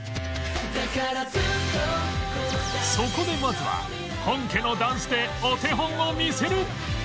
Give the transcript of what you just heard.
そこでまずは本家のダンスでお手本を見せる！